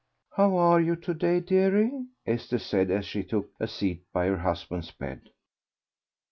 "How are you to day, dearie?" Esther said, as she took a seat by her husband's bed.